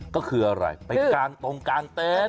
ก็คืออะไรไปกางตรงกลางเต็นต์